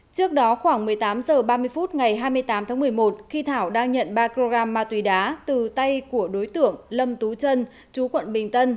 trước đó khoảng một mươi tám h ba mươi phút ngày hai mươi tám tháng một mươi một khi thảo đang nhận ba kg ma túy đá từ tay của đối tượng lâm tú trân chú quận bình tân